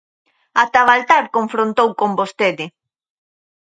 ¡Ata Baltar confrontou con vostede!